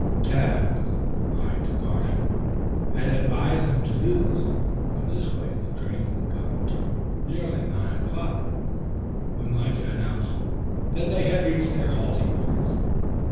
Tad, with an eye to caution, had advised them to do this. In this way the train moved on until nearly nine o'clock, when Lige announced that they had reached their halting place.